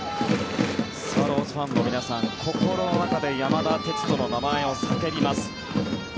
スワローズファンの皆さん心の中で山田哲人の名前を叫びます。